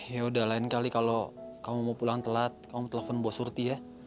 ya udah lain kali kalau kamu mau pulang telat kamu telepon bos hurti ya